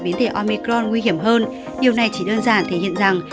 biến thể omicron nguy hiểm hơn điều này chỉ đơn giản thể hiện rằng